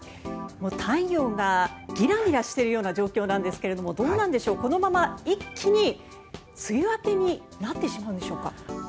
太陽がギラギラしてるような状況なんですけどもどうなんでしょうこのまま一気に梅雨明けになってしまうんでしょうか。